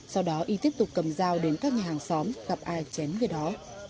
sau đó y tiếp tục cầm dao đến các nhà hàng xóm gặp ai chén người đó